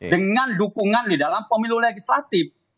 dengan dukungan di dalam pemilu legislatif